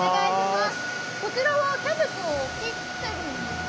こちらはキャベツを切ってるんですか？